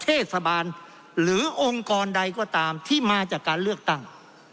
เทศบาลหรือองค์กรใดก็ตามที่มาจากการเลือกตั้ง